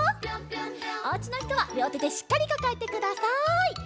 おうちのひとはりょうてでしっかりかかえてください。